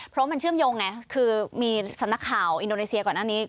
เพราะมันเชื่อมโยงไงคือมีสำนักข่าวอินโดนีเซียก่อนหน้านี้